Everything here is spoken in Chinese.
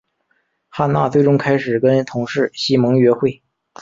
汉娜最终开始跟同事西蒙约会。